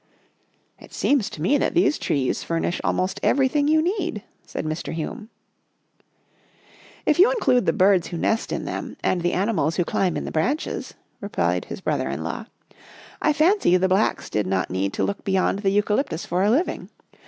" It seems to me that these trees furnish al most everything you need," said Mr. Hume. " If you include the birds who nest in them and the animals who climb in the branches," replied his brother in law, " I fancy the Blacks did not need to look beyond the eucalyptus for a living.